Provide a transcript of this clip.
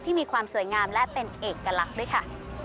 มีความสวยงามและเป็นเอกลักษณ์ด้วยค่ะ